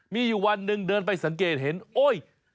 มีอยู่วันหนึ่งเดินไปสังเกตเห็นโอ๊ย